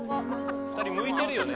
２ 人向いてるよね